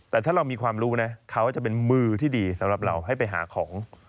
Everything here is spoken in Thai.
แต่ถ้าเรามีความรู้นะเขาจะเป็นมือที่ดีสำหรับเราให้ไปหาของ